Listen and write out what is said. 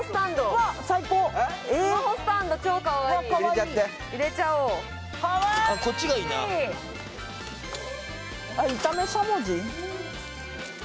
うわっ最高スマホスタンド超かわいい入れちゃって入れちゃおうかわいいあっこっちがいいなあっ炒めしゃもじ